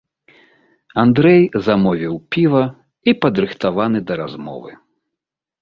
Андрэй замовіў піва і падрыхтаваны да размовы.